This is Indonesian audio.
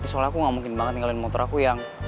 soalnya aku nggak mungkin banget tinggalin motor aku yang